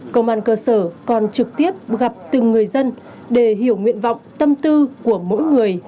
công an cơ sở còn trực tiếp gặp từng người dân để hiểu nguyện vọng tâm tư của mỗi người